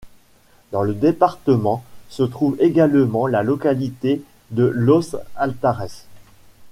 Dans le département, se trouve également la localité de Los Altares.